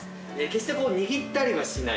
決して握ったりはしない。